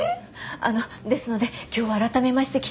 あのですので今日は改めましてきちんと。